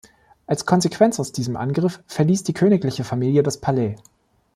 Als Konsequenz aus diesem Angriff verließ die königliche Familie das Palais.